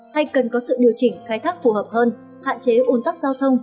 hay cần có sự điều chỉnh khai thác phù hợp hơn hạn chế ủn tắc giao thông